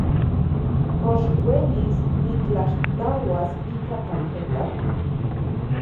¿Kox uelis nitlaxtlauas ika tarjeta?